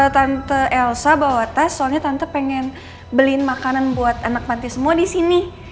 tante elsa bawa tas soalnya tante pengen beliin makanan buat anak panti semua di sini